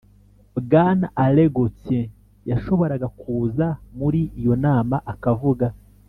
bwana alain gauthier yashoboraga kuza muri iyo nama akavuga